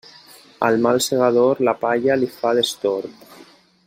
Al mal segador la palla li fa destorb.